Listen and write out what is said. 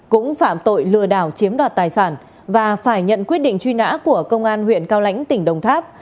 cũng phạm tội lừa đảo chiếm đoạt tài sản và phải nhận quyết định truy nã của công an huyện cao lãnh tỉnh đồng tháp